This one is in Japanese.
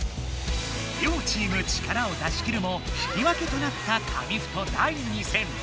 両チーム力を出しきるも引き分けとなった紙フト第２戦。